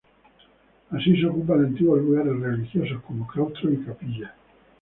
Así se ocupan antiguos lugares religiosos como claustros y capillas.